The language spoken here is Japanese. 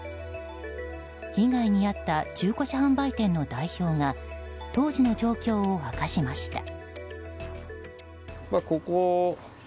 被害に遭った中古車販売店の代表が当時の状況を明かしました。